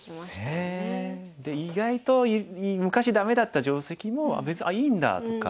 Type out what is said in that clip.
意外と昔ダメだった定石も「別にいいんだ」とか。